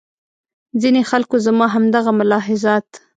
ځینې خلکو زما همدغه ملاحظات.